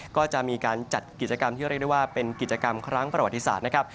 ก็จะมีการจัดกิจกรรมที่เรียกได้ว่าเป็นกิจกรรมครั้งประวัติศาสตร์นะครับ